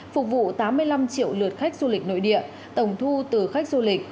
phục vụ tám mươi năm triệu lượt khách du lịch nội địa tổng thu từ khách du lịch